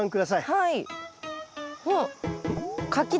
はい。